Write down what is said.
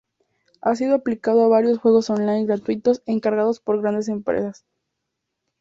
Ha sido aplicado a varios juegos online gratuitos encargados por grandes empresas.